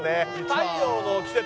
「太陽の季節